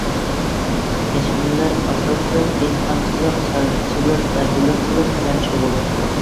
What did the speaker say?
كەشمىرلەر ئاساسلىق دېھقانچىلىق، چارۋىچىلىق ۋە بېلىقچىلىق بىلەن شۇغۇللىنىدۇ.